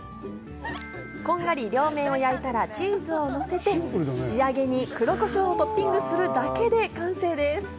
こんがり両面を焼いたらチーズをのせて、仕上げに黒コショウをトッピングするだけで完成です。